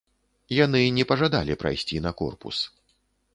Яны не пажадалі прайсці на корпус.